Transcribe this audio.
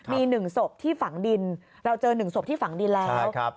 มีหนึ่งศพที่ฝังดินเราเจอหนึ่งศพที่ฝังดินแล้ว